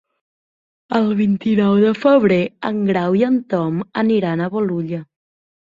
El vint-i-nou de febrer en Grau i en Tom aniran a Bolulla.